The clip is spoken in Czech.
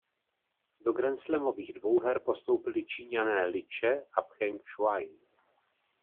Do grandslamových dvouher postoupili Číňané Li Če a Pcheng Šuaj.